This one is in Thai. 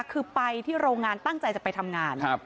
คือไปที่โรงงานตั้งใจจะไปทำงาน